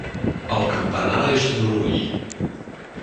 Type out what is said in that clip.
El campanar és d'un ull.